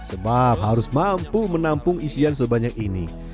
sebab harus mampu menampung isian sebanyak ini